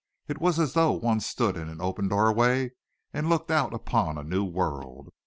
It was as though one stood in an open doorway and looked out upon a new world.